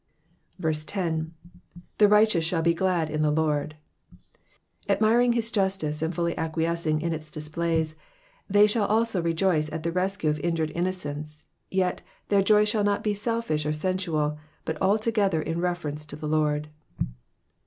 10. rAe righteous shall he glad in the Lord,'''' Admiring his justice and fully acquiescing in its displays, they shall also rejoice at the rescue of injured innocence yet, their joy shall not be selfish or sensual, but altogether in reference to the Lord.